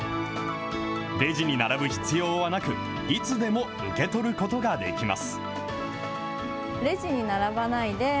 レジに並ぶ必要はなく、いつでも受け取ることができます。